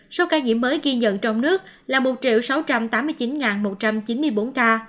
số ca nhiễm mới ghi nhận trong nước là một sáu trăm tám mươi chín một trăm chín mươi bốn ca